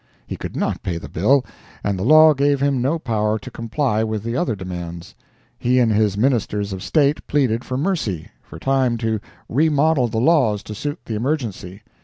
He could not pay the bill, and the law gave him no power to comply with the other demands. He and his Ministers of state pleaded for mercy—for time to remodel the laws to suit the emergency.